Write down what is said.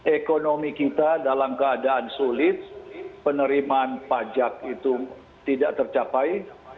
ekonomi kita dalam keadaan sulit penerimaan pajak itu tidak tercapai